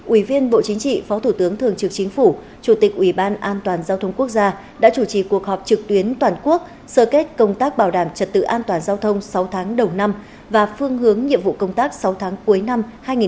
ủy viên bộ chính trị phó thủ tướng thường trực chính phủ chủ tịch ủy ban an toàn giao thông quốc gia đã chủ trì cuộc họp trực tuyến toàn quốc sơ kết công tác bảo đảm trật tự an toàn giao thông sáu tháng đầu năm và phương hướng nhiệm vụ công tác sáu tháng cuối năm hai nghìn hai mươi